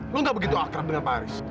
lo gak begitu akrab dengan pak aris